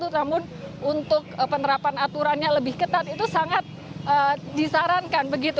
namun untuk penerapan aturannya lebih ketat itu sangat disarankan